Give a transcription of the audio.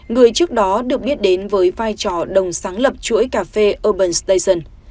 người trước đó được biết đến với vai trò đồng sáng lập chuỗi cà phê oben station